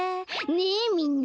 ねえみんな。